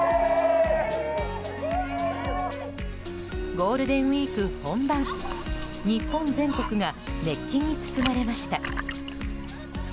ゴールデンウィーク本番日本全国が熱気に包まれました。